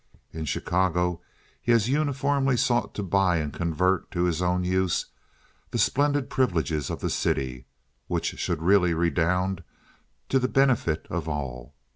In Chicago he has uniformly sought to buy and convert to his own use the splendid privileges of the city, which should really redound to the benefit of all.